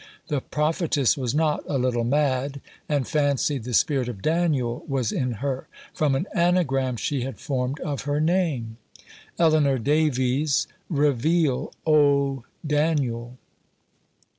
The prophetess was not a little mad, and fancied the spirit of Daniel was in her, from an anagram she had formed of her name ELEANOR DAVIES. REVEAL O DANIEL!